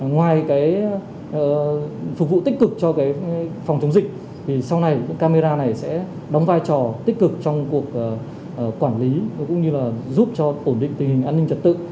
ngoài phục vụ tích cực cho phòng chống dịch thì sau này camera này sẽ đóng vai trò tích cực trong cuộc quản lý cũng như là giúp cho ổn định tình hình an ninh trật tự